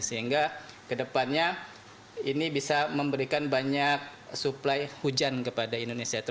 sehingga kedepannya ini bisa memberikan banyak suplai hujan kepada indonesia